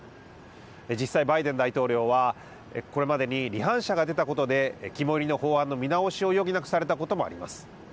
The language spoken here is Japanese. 実際、バイデン大統領はこれまでに離反者が出たことで肝煎りの法案の見直しを余儀なくされたこともあります。